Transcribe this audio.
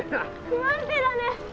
不安定だね。